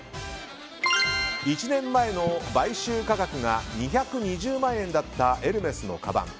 １年前の買収価格が２２０万円だったエルメスのかばん。